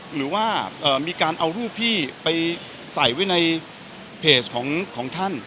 หรือว่ามีการเอารูปพี่ไปใส่ไว้ในเพจของท่าน